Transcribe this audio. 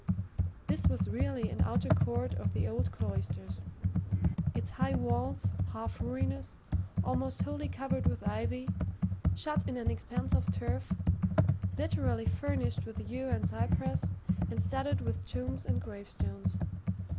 This was really an outer court of the old cloisters; its high walls, half ruinous, almost wholly covered with ivy, shut in an expanse of turf, liberally furnished with yew and cypress and studded with tombs and gravestones.